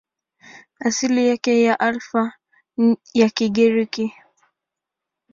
Asili yake ni Alfa ya Kigiriki.